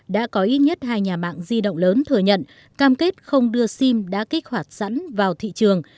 đã có ít nhất hai nhà mạng di động lớn thừa nhận cam kết không đưa sim đã kích hoạt sẵn vào thị trường